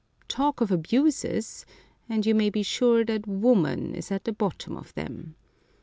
Talk of abuses, and you may be sure that woman is at the bottom of them